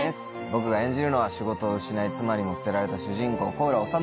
僕が演じるのは仕事をしない妻にも捨てられた主人公小浦治。